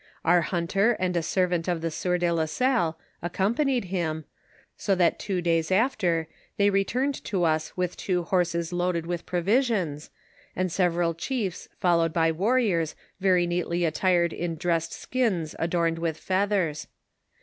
Our hunter and a servant of the sieur de la Salle accompanied him, so that two days after they returned to us with two horses loaded with provisions, and several chiefs followed by warriors very neatly attired in dressed skins adorned with feathers.